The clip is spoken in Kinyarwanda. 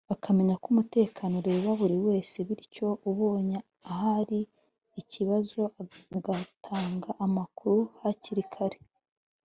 bakamenya ko umutekano ureba buri wese bityo ubonye ahari ikibazo agatanga amakuru hakiri kare